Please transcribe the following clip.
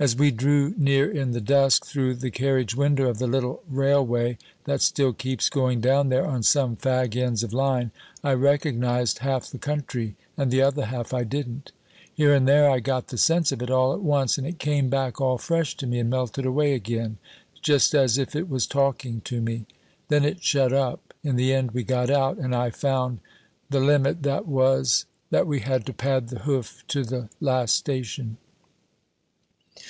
"As we drew near in the dusk, through the carriage window of the little railway that still keeps going down there on some fag ends of line, I recognized half the country, and the other half I didn't. Here and there I got the sense of it, all at once, and it came back all fresh to me, and melted away again, just as if it was talking to me. Then it shut up. In the end we got out, and I found the limit, that was that we had to pad the hoof to the last station.